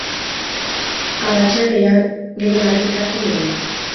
Arratsean gehien errepikatzen duguna.